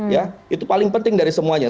ya itu paling penting dari semuanya